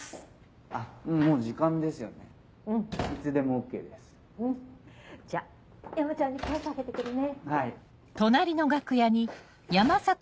・あっもう時間ですよね・・うん・・いつでもＯＫです・・じゃあ山ちゃんに声掛けてくるね・・はい・